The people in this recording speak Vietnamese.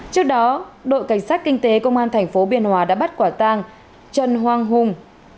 trước đó đội cảnh sát kinh tế công an tp biên hòa đã bắt quả tang trần hoàng hùng